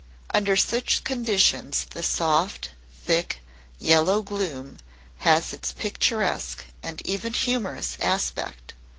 Under such conditions the soft, thick, yellow gloom has its picturesque and even humorous aspect.